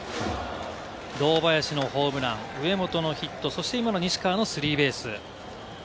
堂林のホームラン、上本のヒット、そして今の西川のスリーベース。